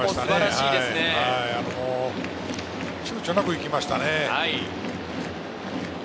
躊躇なく行きましたね。